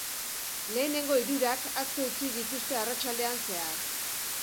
Lehenengo hirurak aske utzi dituzte arratsaldean zehar.